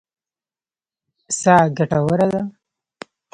سا ګټوره ده.